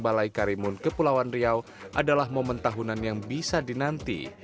balai karimun kepulauan riau adalah momen tahunan yang bisa dinanti